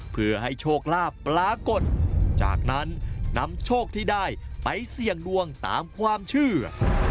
เพื่อให้โชคลาภปรากฏจากนั้นนำโชคที่ได้ไปเสี่ยงดวงตามความเชื่อ